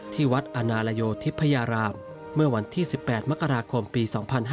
ที่วัดอนาลโยธิพยารามเมื่อวันที่๑๘มกราคมปี๒๕๕๙